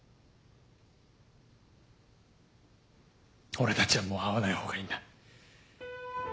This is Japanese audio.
俺たちはもう会わないほうがいいんだ。